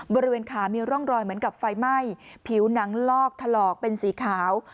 บริเวณขามีร่องรอยเหมือนกับไฟไหม้ผิวหนังลอกถลอกเป็นสีขาว